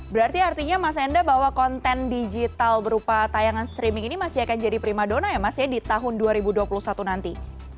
berarti artinya mas enda bahwa konten digital berupa tayangan streaming ini masih akan jadi prima dona ya mas ya di tahun dua ribu dua puluh satu nanti